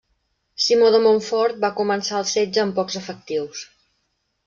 Simó de Montfort va començar el setge amb pocs efectius.